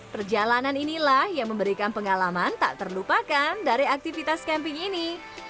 perjalanan inilah yang memberikan pengalaman tak terlupakan dari aktivitas camping ini